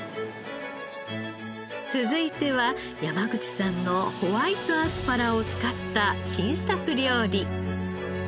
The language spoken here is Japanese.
続いては山口さんのホワイトアスパラを使った新作料理。